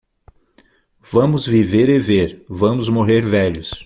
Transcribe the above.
Vamos viver e ver, vamos morrer velhos.